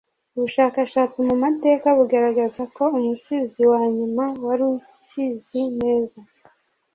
Ubushakashatsi mu mateka bugaragaza ko umusizi wanyuma wari ukizi neza